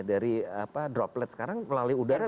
dari droplet sekarang melalui udara